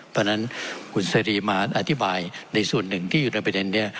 เพราะฉะนั้นคุณเสรีมาอธิบายในส่วนหนึ่งที่อยู่ในประเด็นนี้